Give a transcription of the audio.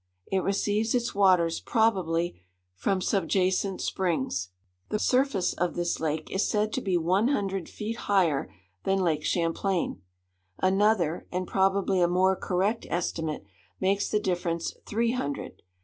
It receives its waters, probably, from subjacent springs. The surface of this lake is said to be one hundred feet higher than Lake Champlain. Another, and probably a more correct estimate, makes the difference three hundred.